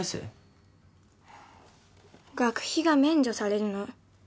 学費が免除されるの。